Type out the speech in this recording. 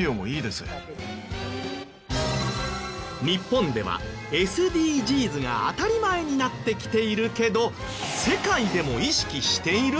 日本ではＳＤＧｓが当たり前になってきているけど世界でも意識している？